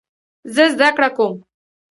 زه زده کړه کوم